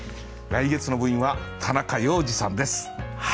来月の部員は田中要次さんです。